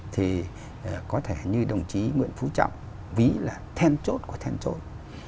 thì có thể như đồng chí nguyễn phú trọng ví là thêm chốt của thêm chốt